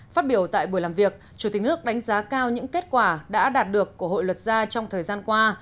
phát biểu tại buổi làm việc chủ tịch nước đánh giá cao những kết quả đã đạt được của hội luật gia trong thời gian qua